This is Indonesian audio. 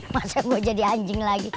masa mau jadi anjing lagi